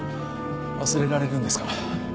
忘れられるんですか。